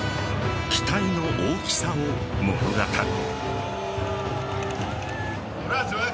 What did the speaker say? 期待の大きさを物語る。